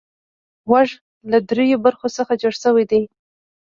غوږ له دریو برخو څخه جوړ شوی دی.